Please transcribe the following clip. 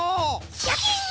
シャキン！